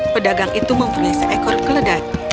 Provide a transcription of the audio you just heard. pedagang itu mempunyai seekor keledak